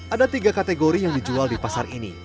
ada tiga kategori yang dijual di pasar ini